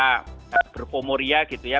kemudian ya kita berfomo ria gitu ya